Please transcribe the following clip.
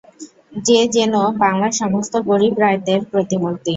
যে যেন বাংলার সমস্ত গরিব রায়তের প্রতিমূর্তি।